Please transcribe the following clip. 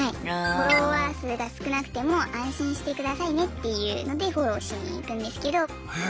フォロワー数が少なくても安心してくださいねっていうのでフォローしに行くんですけど。